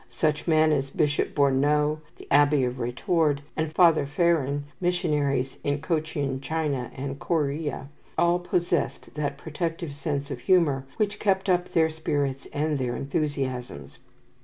Such men as Bishop Berneux, the Abbe Retord, and Father Feron, missionaries in Cochin China and Corea, all possessed that protective sense of humour which kept up their spirits and their enthusiasms.